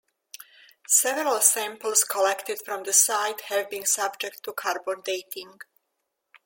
Several samples collected from the site have been subject to carbon dating.